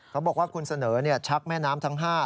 เขาบอกว่าคุณเสนอชักแม่น้ำทั้ง๕